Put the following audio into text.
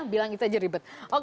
bilang itu aja ribet